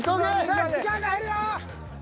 さあ時間が減るよ。